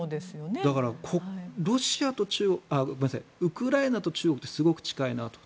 だからウクライナと中国ってすごく近いなと。